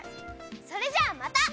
それじゃまた！